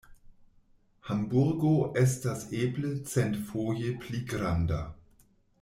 Hamburgo estas eble centfoje pli granda.